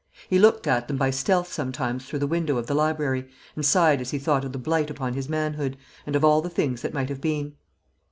He looked at them by stealth sometimes through the window of the library, and sighed as he thought of the blight upon his manhood, and of all the things that might have been.